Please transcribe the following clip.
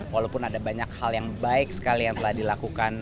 walaupun ada banyak hal yang baik sekali yang telah dilakukan